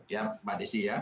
ya mbak desi ya